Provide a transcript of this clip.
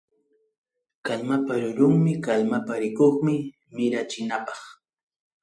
Kallmapa rurunmi kallmapa rikuqmi mirachinapaq.